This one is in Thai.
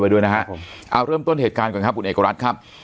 ด้วยนะครับผมเอาเริ่มต้นเหตุการณ์ก่อนครับคุณเอกรัฐครับ